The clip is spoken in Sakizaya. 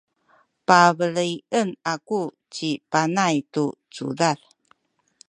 pabelian aku ci Panay tu cudad.